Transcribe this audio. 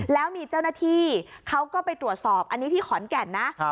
แล้วมีเจ้าหน้าที่เขาก็ไปตรวจสอบอันนี้ที่ขอนแก่นนะ